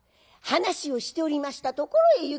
話をしておりましたところへ